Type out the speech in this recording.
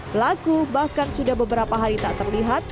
pelaku bahkan sudah beberapa hari tak terlihat